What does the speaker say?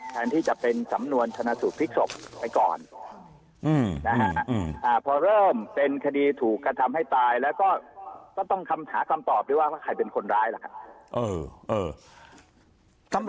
แทนที่จะเป็นสำนวนชนะสูตรพลิกศพไปก่อนนะฮะพอเริ่มเป็นคดีถูกกระทำให้ตายแล้วก็ก็ต้องคำหาคำตอบด้วยว่าใครเป็นคนร้ายล่ะครับ